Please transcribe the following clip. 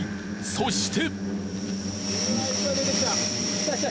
そして！